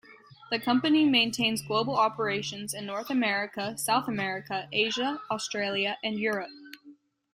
The company maintains global operations in North America, South America, Asia, Australia, and Europe.